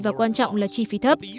và quan trọng là chi phí thấp